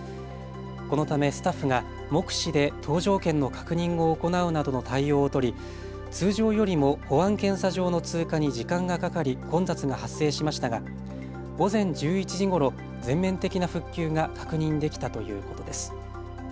このためスタッフが目視で搭乗券の確認を行うなどの対応を取り通常よりも保安検査場の通過に時間がかかり混雑が発生しましたが、午前１１時ごろ全面的な復旧が確認できたということです。